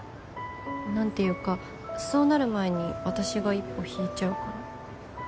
何ていうかそうなる前に私が一歩引いちゃうから。